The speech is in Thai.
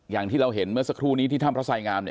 อย่างที่เราเห็นเมื่อสักครู่นี้ที่ถ้ำพระสายงามเนี่ย